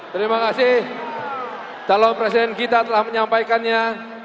terima kasih calon presiden kita telah menyampaikannya